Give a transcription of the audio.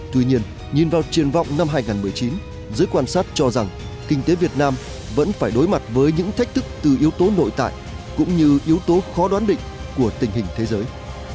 tuy nhiên nhìn vào triển vọng năm hai nghìn một mươi chín giới quan sát cho rằng kinh tế việt nam vẫn phải đối mặt với những thách thức từ yếu tố nội tại cũng như yếu tố khó đoán định của tình hình thế giới